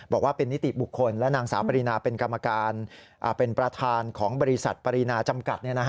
บอกว่าเป็นนิติบุคคลและนางสาวปรินาเป็นกรรมการเป็นประธานของบริษัทปรินาจำกัด